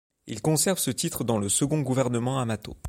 Il conserve ce titre dans le second gouvernement Amato.